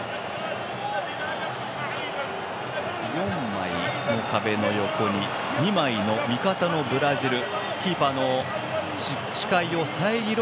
４枚の壁の横に２枚の味方のブラジル。